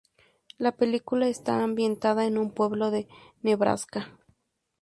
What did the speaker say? La película está ambientada en un pueblo de Nebraska.